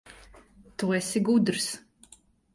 Tu esi gudrs.